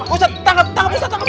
ustazah tanggap tanggap ustazah